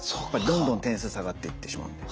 どんどん点数下がっていってしまう。